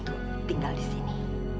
untuk tinggal di sini